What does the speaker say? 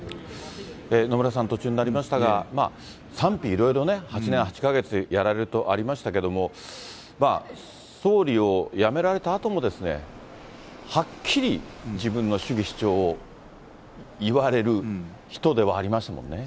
野村さん、途中になりましたが、賛否いろいろね、８年８か月やられるとありましたけれども、総理を辞められたあとも、はっきり自分の主義主張を言われる人ではありますもんね。